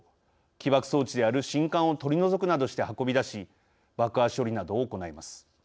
起爆装置である信管を取り除くなどして運び出し爆破処理などを行います。